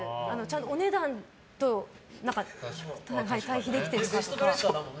お値段と対比できてるかとか。